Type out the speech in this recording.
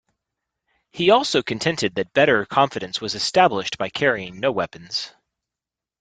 He also contended that better confidence was established by carrying no weapons.